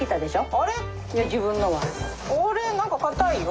あれっ何か硬いよ。